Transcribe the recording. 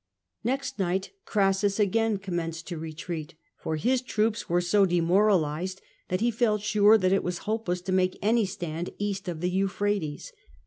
Next night Crassus again commenced to retreat, foj* his troops were so demoralised that he felt sure that ir was hopeless to make any stand east of the Euphrates.